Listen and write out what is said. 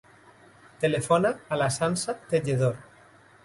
Telefona a la Sança Tejedor.